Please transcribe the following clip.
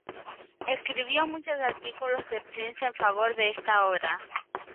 Escribió muchos artículos de prensa en favor de esta obra.